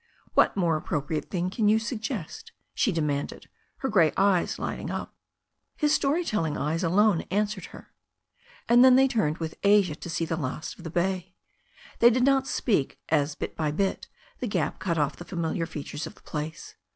"What more appropriate thing can you suggest?" she de manded, her grey eyes lighting up. His story telling eyes alone answered her. And then they turned with Asia to see the last of the bay. They did not speak as bit by bit the gap cut off the familiar features of the place.